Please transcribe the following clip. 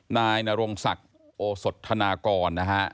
นายนรงศักดิ์โอสดธนากรนะฮะ